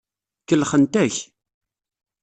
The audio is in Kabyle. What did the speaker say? Kellxent-ak.